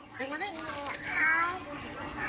ขอบคุณครับ